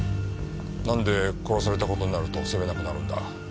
なんで殺された事になると住めなくなるんだ？